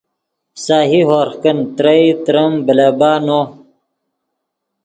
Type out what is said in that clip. سہی ہورغ کن ترئے تریم بلیبہ نو